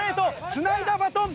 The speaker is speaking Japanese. つないだバトン！